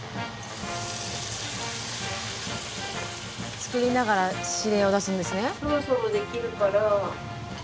作りながら指令を出すんですね。